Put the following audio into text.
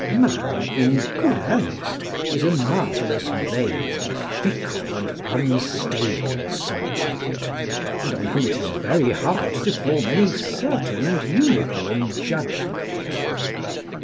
[Diod. Sic., xiv. 29.] Man (in good earnest) is a marvellous vain, fickle, and unstable subject, and on whom it is very hard to form any certain and uniform judgment.